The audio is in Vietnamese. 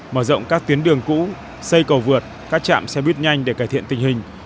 mở rộng các tuyến đường cũ xây cầu vượt các trạm xe buýt nhanh để cải thiện tình hình